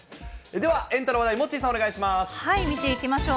ではエンタの話題、モッチーさん見ていきましょう。